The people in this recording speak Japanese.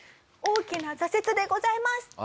大きな挫折でございます。